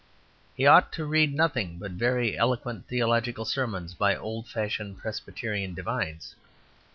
He ought to read nothing but very eloquent theological sermons by old fashioned Presbyterian divines.